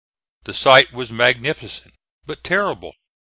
The sight was magnificent, but terrible.